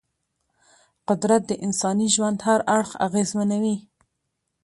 قدرت د انساني ژوند هر اړخ اغېزمنوي.